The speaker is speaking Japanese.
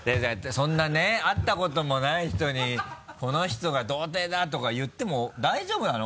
そんなね会ったこともない人に「この人が童貞だ！」とか言っても大丈夫なの？